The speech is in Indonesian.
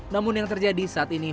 namun yang terjadi saat ini